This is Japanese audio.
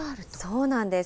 そうなんです。